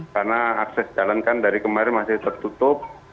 karena akses jalan kan dari kemarin masih tertutup